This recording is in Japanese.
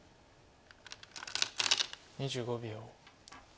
２５秒。